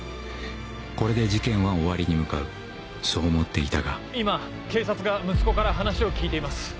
これで事件は終わりに向かうそう思っていたが今警察が息子から話を聞いています。